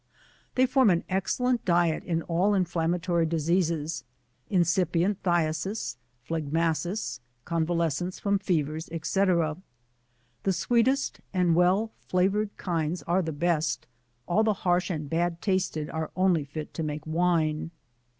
They form an excellent diet in all inflammatory diseases, incipient phthisis, phlegmasis, convalescence from fevers, &c. The sweet est and well flavored kinds are the best, all the harsh and bad tasted are only fit to make Wine.